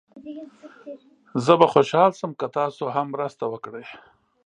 زه به خوشحال شم که تاسو هم مرسته وکړئ.